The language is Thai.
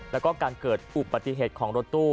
แล้วก็การเกิดอุบัติเหตุของรถตู้